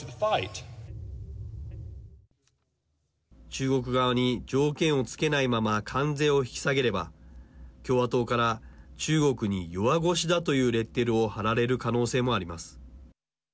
中国側に条件をつけないまま関税を引き下げれば共和党から中国に弱腰だというレッテルを貼られる可能性もあります。